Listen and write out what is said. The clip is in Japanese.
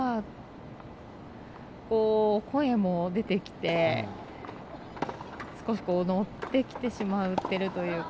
声も出てきて少し乗ってきてしまっているというか。